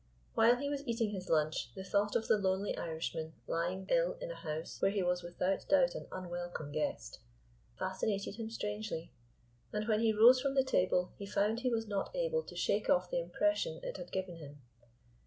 While he was eating his lunch the thought of the lonely Irishman lying ill in a house, where he was without doubt an unwelcome guest, fascinated him strangely, and when he rose from the table he found he was not able to shake off the impression it had given him.